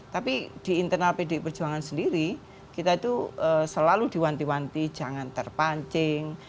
tapi di internal pdi perjuangan sendiri kita itu selalu diwanti wanti jangan terpancing